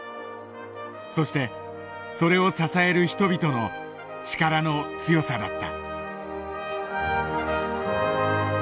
そしてそれを支える人々の力の強さだった。